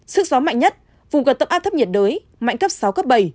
sức gió mạnh nhất vùng gần tâm áp thấp nhiệt đới mạnh cấp sáu cấp bảy